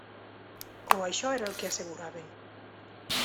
O això era el que asseguraven.